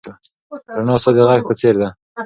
رڼا ستا د غږ په څېر ده.